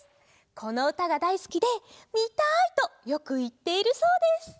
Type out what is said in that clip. このうたがだいすきで「みたい！」とよくいっているそうです。